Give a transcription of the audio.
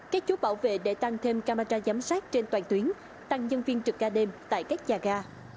các chú bảo vệ để tăng thêm camera giám sát trên toàn tuyến tăng nhân viên trực ca đêm tại các nhà ga